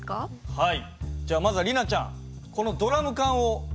はい。